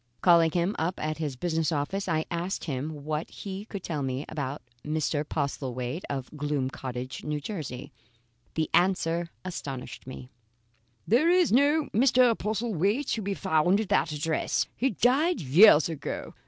Calling him up at his business office, I asked him what he could tell me about Mr. Postlethwaite of Gloom Cottage, , N. J. The answer astonished me: "There is no Mr. Postlethwaite to be found at that address. He died years ago.